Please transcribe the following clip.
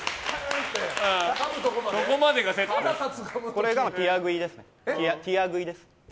これがティア食いです。